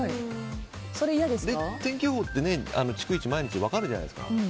天気予報って逐一、毎日分かるじゃないですか。